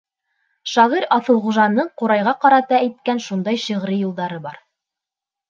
Шағир Аҫылғужаның ҡурайға ҡарата әйткән шундай шиғри юлдары бар: